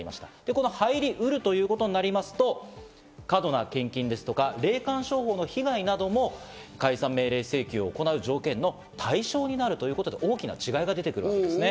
この入りうるということになりますと、過度な献金ですとか、霊感商法の被害なども解散命令請求を行う条件の対象になるということで大きな違いが出てくるわけですね。